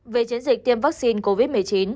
về chiến dịch tiêm vaccine covid một mươi chín